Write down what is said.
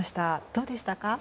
どうでしたか？